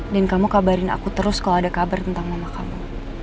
dan kamu kabarin aku terus kalau ada kabar tentang mama kamu